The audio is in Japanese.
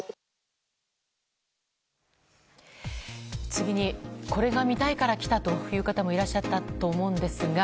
次に、これが見たいから来たという方もいらっしゃったと思うんですが。